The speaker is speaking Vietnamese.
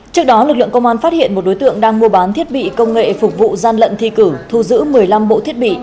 trước đó lực lượng công an phát hiện một đối tượng đang mua bán thiết bị công nghệ phục vụ gian lận thi cử thu giữ một mươi năm bộ thiết bị